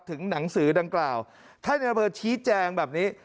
หนังสือดังกล่าวท่านในอำเภอชี้แจงแบบนี้